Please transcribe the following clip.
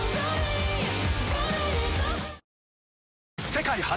世界初！